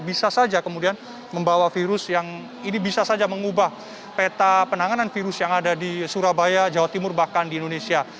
bisa saja kemudian membawa virus yang ini bisa saja mengubah peta penanganan virus yang ada di surabaya jawa timur bahkan di indonesia